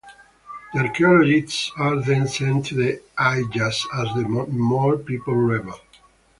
The archaeologists are then sent to the Eye just as the Mole People rebel.